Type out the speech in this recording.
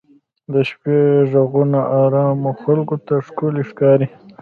د شپې ږغونه ارامو خلکو ته ښکلي ښکاري.